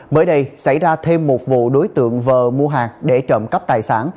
mới đây xảy ra thêm một vụ đối tượng vờ mua hàng để trộm cắp tài sản